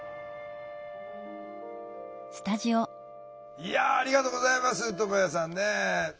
いやありがとうございますともやさんねえ。